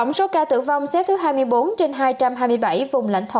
tổng số ca tử vong xếp thứ hai mươi bốn trên hai trăm hai mươi bảy vùng lãnh thổ